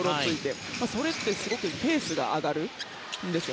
それってすごくペースが上がるんですよ。